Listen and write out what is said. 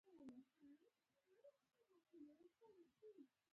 بډایه هېوادونه خپلې مرستې د رشوت په بڼه ورکوي.